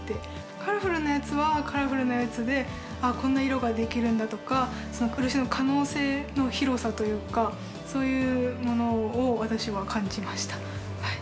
カラフルなやつはカラフルなやつで、ああ、こんな色ができるんだとか漆の可能性の広さというかそういうものを私は感じました。